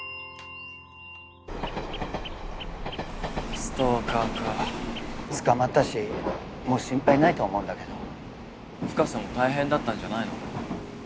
ストーカーか捕まったしもう心配ないと思うんだけど深瀬も大変だったんじゃないの？